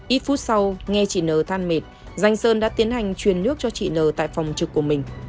ít phút sau nghe chị nờ than mệt danh sơn đã tiến hành truyền nước cho chị n tại phòng trực của mình